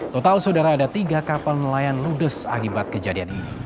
total saudara ada tiga kapal nelayan ludes akibat kejadian ini